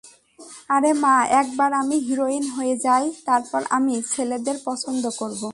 আরে মা, একবার আমি হিরোইন হয়ে যাই, তারপর আমি ছেলেদের পছন্দ করব।